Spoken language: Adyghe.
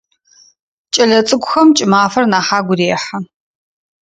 Кӏэлэцӏыкӏухэм кӏымафэр нахь агу рехьы.